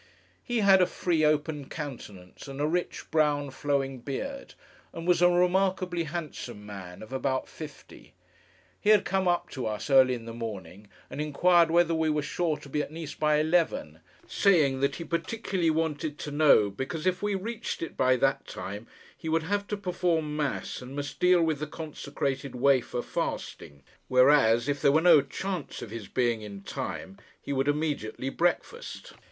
He had a free, open countenance; and a rich brown, flowing beard; and was a remarkably handsome man, of about fifty. He had come up to us, early in the morning, and inquired whether we were sure to be at Nice by eleven; saying that he particularly wanted to know, because if we reached it by that time he would have to perform Mass, and must deal with the consecrated wafer, fasting; whereas, if there were no chance of his being in time, he would immediately breakfast.